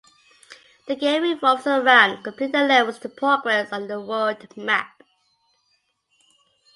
The game revolves around completing levels to progress on the world map.